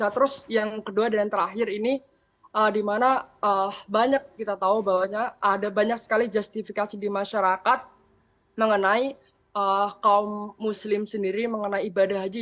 terus yang kedua dan yang terakhir ini dimana banyak kita tahu bahwa ada banyak sekali justifikasi di masyarakat mengenai kaum muslim sendiri mengenai ibadah haji